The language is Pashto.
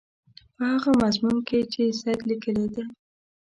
په هغه مضمون کې چې سید لیکلی دی.